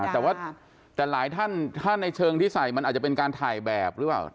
แต่ว่าแต่หลายท่านถ้าในเชิงที่ใส่มันอาจจะเป็นการถ่ายแบบหรือเปล่า